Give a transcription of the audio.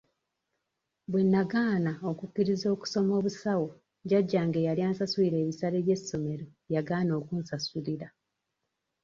Bwe nagaana okukkiriza okusoma obusawo jjajjange eyali ansasulira ebisale by'essomero yagaana okunsasulira.